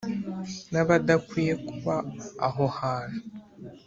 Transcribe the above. n’abadakwiye kuba aho hantu